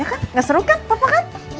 kan gak seru kan papa kan